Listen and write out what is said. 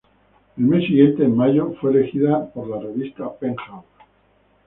Al mes siguiente, en mayo, fue elegida de la revista "Penthouse".